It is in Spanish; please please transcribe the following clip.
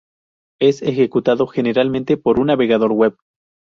Es ejecutado generalmente por un navegador web.